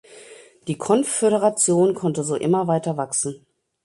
Die Konföderation konnte so immer weiter wachsen.